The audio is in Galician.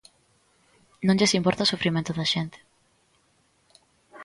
Non lles importa o sufrimento da xente.